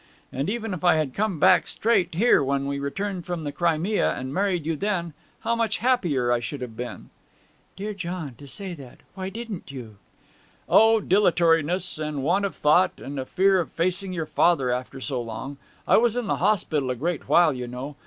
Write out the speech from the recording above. And even if I had come back straight here when we returned from the Crimea, and married you then, how much happier I should have been!' 'Dear John, to say that! Why didn't you?' 'O dilatoriness and want of thought, and a fear of facing your father after so long. I was in hospital a great while, you know.